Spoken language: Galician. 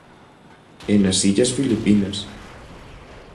E nas illas Filipinas.